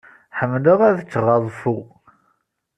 Ḥemmleɣ ad cceɣ aḍeffu.